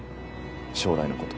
将来のこと。